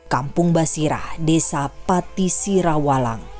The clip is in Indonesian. kampung basirah desa pati sirawalang